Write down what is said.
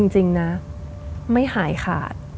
จริงนะไม่หายขาด